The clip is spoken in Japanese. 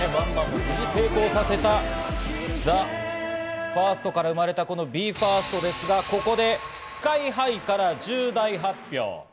無事成功させたＴＨＥＦＩＲＳＴから生まれたＢＥ：ＦＩＲＳＴですが、ここでＳＫＹ−ＨＩから重大発表。